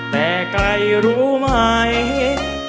แต่ไกลรู้ไหม